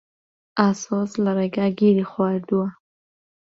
ئاسۆس لە ڕێگا گیری خواردووە.